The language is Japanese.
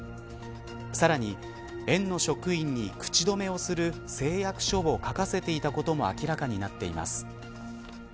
さらに園の職員に口止めをする誓約書を書かせていたことも明らかになっています。